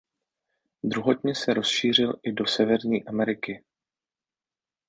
Druhotně se rozšířil i do Severní Ameriky.